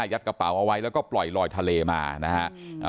กระเป๋าเอาไว้แล้วก็ปล่อยลอยทะเลมานะฮะ